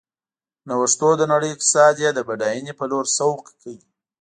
نوښتونو د نړۍ اقتصاد یې د بډاینې په لور سوق کړ.